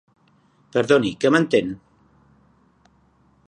Perdoni, que mentén?